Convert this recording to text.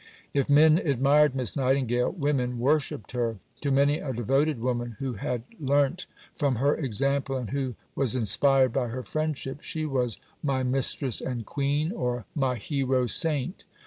If men admired Miss Nightingale, women worshipped her. To many a devoted woman, who had learnt from her example and who was inspired by her friendship, she was "My Mistress and Queen," or "My Hero Saint."